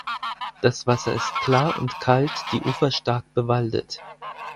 Das Wasser ist klar und kalt, die Ufer stark bewaldet.